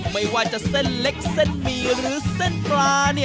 ไม่ว่าจะเส้นเล็กเส้นหมี่หรือเส้นปลา